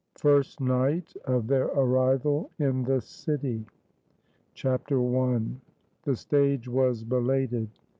FIRST NIGHT OF THEIR ARRIVAL IN THE CITY. I. The stage was belated.